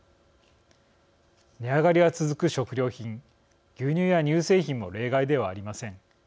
値上がりが続く食料品牛乳や乳製品も例外ではありません。